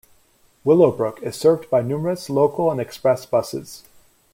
Willowbrook is served by numerous local and express buses.